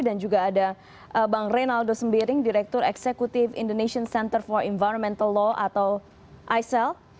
dan juga ada bang reynaldo sembiring direktur eksekutif indonesian center for environmental law atau isel